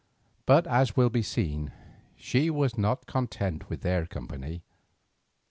But, as will be seen, she was not content with their company.